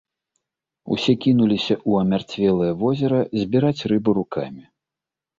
Усе кінуліся ў амярцвелае возера збіраць рыбу рукамі.